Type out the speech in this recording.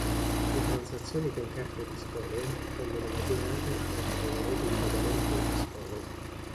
Le transazioni con carte Discover vengono elaborate tramite la rete di pagamento Discover.